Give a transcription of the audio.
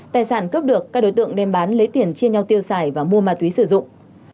tài sản cướp được các đối tượng đem bán lấy tiền chia nhau tiêu xài và mua ma túy sử dụng